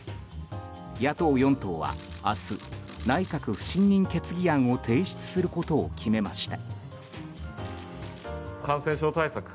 野党４党は、明日内閣不信任決議案を提出することを決めました。